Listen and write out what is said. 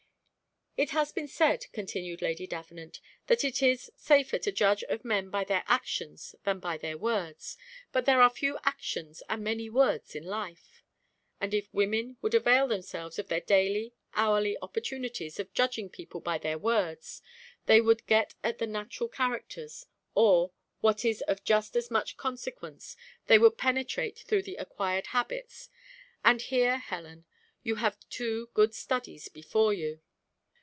"It has been said," continued Lady Davenant, "that it is safer to judge of men by their actions than by their words, but there are few actions and many words in life; and if women would avail themselves of their daily, hourly, opportunities of judging people by their words, they would get at the natural characters, or, what is of just as much consequence, they would penetrate through the acquired habits; and here Helen, you have two good studies before you."